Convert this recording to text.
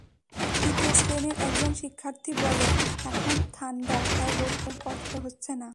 তৃতীয় শ্রেণির একজন শিক্ষার্থী বলে, এখন ঠান্ডা, তাই বসতে কষ্ট হচ্ছে না।